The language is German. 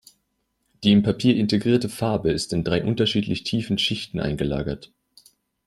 Die im Papier integrierte Farbe ist in drei unterschiedlich tiefen Schichten eingelagert.